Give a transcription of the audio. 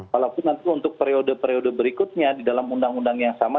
walaupun nanti untuk periode periode berikutnya di dalam undang undang yang sama